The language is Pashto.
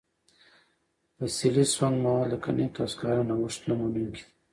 فسیلي سونګ مواد لکه نفت او سکاره نوښت نه منونکي دي.